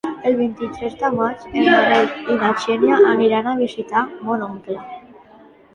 El vint-i-tres de maig en Manel i na Xènia aniran a visitar mon oncle.